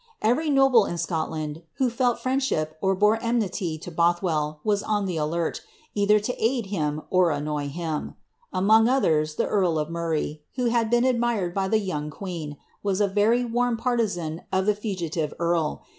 Every noble in Scotland. who ftit friendship or bore enmity lo Bothwell, was on the alert, either to aid him or annoy him. Among others, the earl of Murray, who haii been admired by tlie young queen, was a very warm partisan of i!ie fugitive earl.